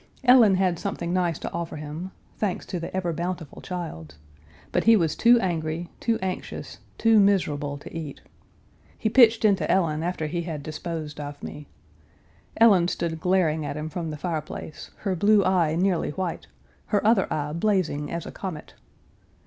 Ellen had something nice to offer him (thanks to the ever bountiful Childs!), but he was too angry, too anxious, too miserable to eat. He pitched into Ellen after he had disposed of me. Ellen stood glaring at him from the fireplace, her blue eye nearly white, her other eye blazing as a comet.